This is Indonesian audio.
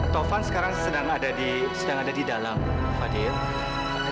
tovan sekarang sedang ada di dalam fadil